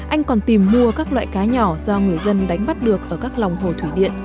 anh còn tìm mua các loại cá nhỏ do người dân đánh bắt được ở các lòng hồ thủy điện